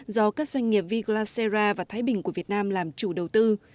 do các doanh nghiệp v glacera và thái bình của việt nam làm chủ đầu tư